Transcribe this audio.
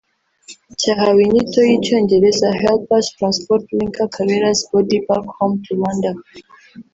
cyahawe inyito y’icyongereza “Help us transport Lynker Kabera’s body back home to Rwanda”